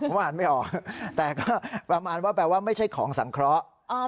ผมอ่านไม่ออกแต่ก็ประมาณว่าแปลว่าไม่ใช่ของสังเคราะห์